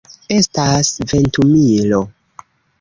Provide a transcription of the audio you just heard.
Estas ventumilo.